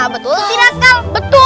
betul gak kal